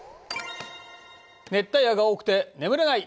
「熱帯夜が多くて眠れない。